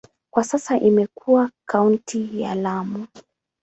Kwa sasa imekuwa kaunti ya Lamu.